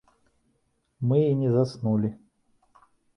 Мы і не заснулі.